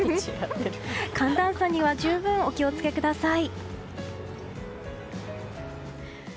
寒暖差には十分お気を付けください。